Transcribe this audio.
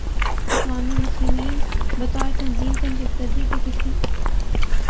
اخوان المسلمین بطور تنظیم دہشت گردی کے کسی